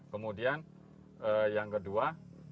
kemudian yang kedua